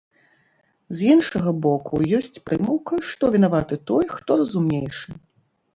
З іншага боку, ёсць прымаўка, што вінаваты той, хто разумнейшы.